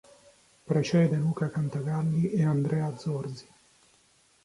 Precede Luca Cantagalli e Andrea Zorzi.